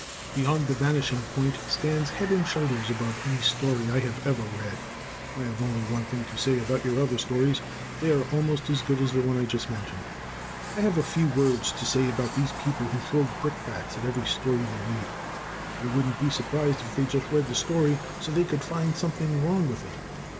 "Beyond the Vanishing Point" stands head and shoulders above any story I have ever read. I have only one thing to say about your other stories: they are almost as good as the one I just mentioned. I have a few words to say about these people who throw brickbats at every story they read. I wouldn't be surprised if they just read the story so they could find something wrong with it.